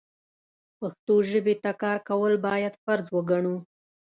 پښتو ژبې ته کار کول بايد فرض وګڼو.